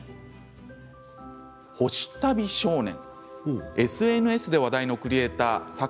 「星旅少年」ＳＮＳで話題のクリエーター坂